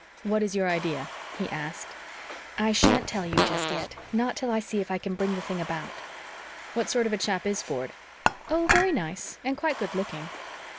"What is your idea?" he asked. "I sha'n't tell you just yet not till I see if I can bring the thing about." "What sort of a chap is Ford?" "Oh, very nice, and quite good looking."